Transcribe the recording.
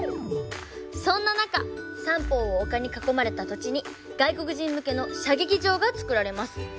そんな中三方を丘に囲まれた土地に外国人向けの射撃場が作られます。